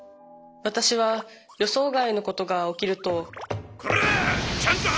私は予想外のことが起きるとコラ！